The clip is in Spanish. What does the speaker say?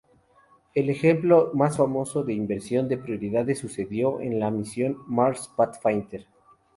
El ejemplo más famoso de inversión de prioridades sucedió en la misión Mars Pathfinder.